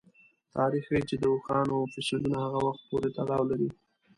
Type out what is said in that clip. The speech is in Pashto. تاریخ ښيي چې د اوښانو فسیلونه هغه وخت پورې تړاو لري.